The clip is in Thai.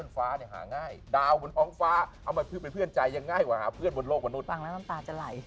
ฟั่งแล้วน้ำตาจะไหล